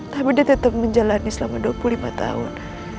tapi dia tetap menjalani selama dua puluh lima tahun